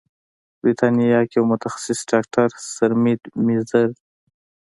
بریتانیا کې یو متخصص ډاکتر سرمید میزیر